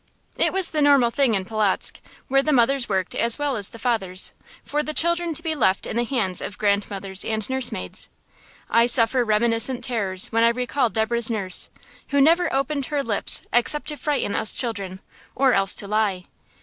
It was the normal thing in Polotzk, where the mothers worked as well as the fathers, for the children to be left in the hands of grandmothers and nursemaids. I suffer reminiscent terrors when I recall Deborah's nurse, who never opened her lips except to frighten us children or else to lie.